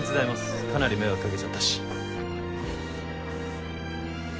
かなり迷惑掛けちゃったし。